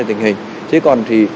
tình hình chứ còn thì